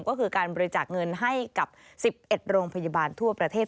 ก็คือการบริจาคเงินให้กับ๑๑โรงพยาบาลทั่วประเทศ